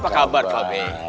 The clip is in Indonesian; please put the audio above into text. apa kabar pak be